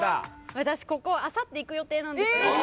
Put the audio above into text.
私ここあさって行く予定なんです。